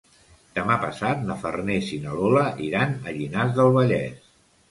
Demà passat na Farners i na Lola iran a Llinars del Vallès.